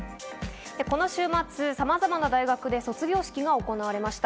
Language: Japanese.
この週末、さまざまな大学で卒業式が行われました。